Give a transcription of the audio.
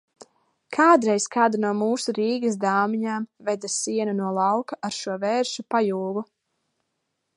Kādreiz kāda no mūsu Rīgas dāmiņām veda sienu no lauka ar šo vēršu pajūgu.